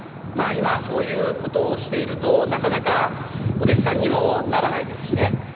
まあ今はそういうことをしているとなかなかお弟子さんにもならないですしね。